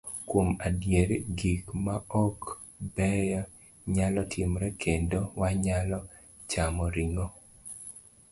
Kuom adier, gik maok beyo nyalo timore, kendo wanyalo chamo ring'o.